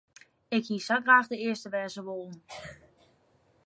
Ik hie sa graach de earste wêze wollen.